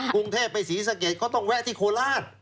กรุงเทพฯไปสีสะเก็ดเขาต้องแวะที่โคลาส